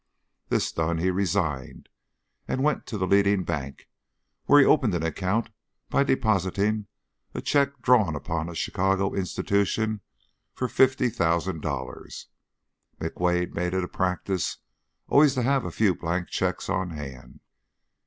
This done, he resigned and went to the leading bank, where he opened an account by depositing a check drawn upon a Chicago institution for fifty thousand dollars. McWade made it a practice always to have a few blank checks on hand.